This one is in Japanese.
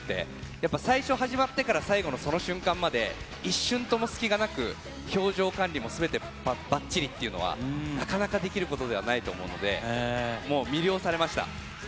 やっぱ最初始まってから、最後のその瞬間まで、一瞬とも隙がなく、表情管理もすべてばっちりっていうのは、なかなかできることではないと思うので、もう魅了されました。